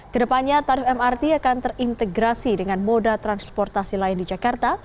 kedepannya tarif mrt akan terintegrasi dengan moda transportasi lain di jakarta